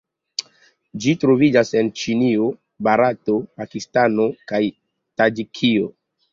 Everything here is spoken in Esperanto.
Ĝi troviĝas en Ĉinio, Barato, Pakistano kaj Taĝikio.